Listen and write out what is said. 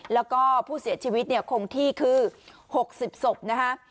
แล้วก็ผู้เสียชีวิตเนี่ยคงที่คือ๖๐ศพนะคะ